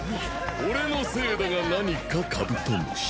俺のせいだが何かカブトムシ？